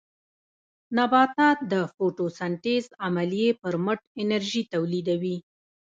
نباتات د فوټوسنټیز عملیې پر مټ انرژي تولیدوي